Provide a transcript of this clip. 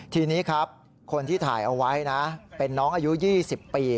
ทีนี้ครับคนที่ถ่ายเอาไว้นะเป็นน้องอายุ๒๐ปี